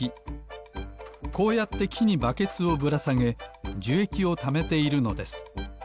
こうやってきにバケツをぶらさげじゅえきをためているのです